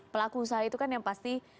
pelaku usaha itu kan yang pasti